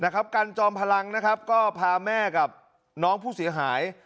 กันจอมพลังนะครับก็พาแม่กับน้องผู้เสียหาย